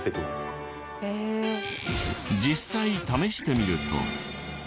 実際試してみると。